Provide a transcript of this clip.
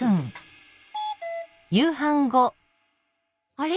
あれ？